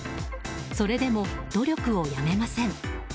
それでも努力をやめません。